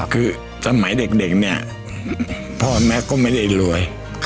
คือสมัยเด็กเนี่ยพ่อแม่ก็ไม่ได้รวย